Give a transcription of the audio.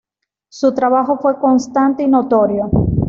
Su trabajo fue constante y notorio.